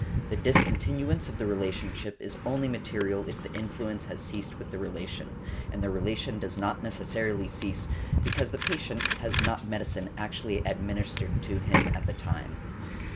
The discontinuance of the relationship is only material if the influence has ceased with the relation; and the relation does not necessarily cease because the patient has not medicine actually administered to him at the time .